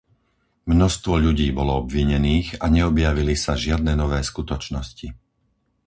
Množstvo ľudí bolo obvinených a neobjavili sa žiadne nové skutočnosti.